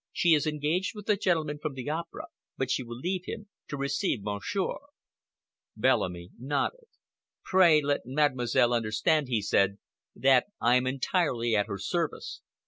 "She is engaged with a gentleman from the Opera, but she will leave him to receive Monsieur." Bellamy nodded. "Pray let Mademoiselle understand," he said, "that I am entirely at her service.